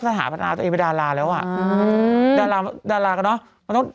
สถาปนาตัวเองเป็นดาราแล้วอ่ะอืมดาราดารากันเนอะมันต้อง